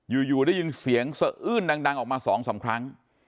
อยู่ได้ยินเสียงเสื้ออื่นดังออกมาสองสามครั้ง